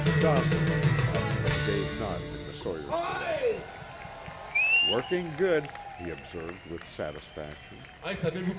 Dawson came up, and Dave nodded in the sawyer's direction. "Working good," he observed with satisfaction.